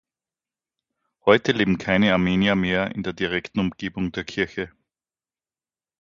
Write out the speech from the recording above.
Heute leben keine Armenier mehr in der direkten Umgebung der Kirche.